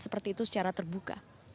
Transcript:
seperti itu secara terbuka